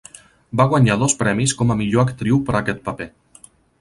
Va guanyar dos premis com a millor actriu per aquest paper.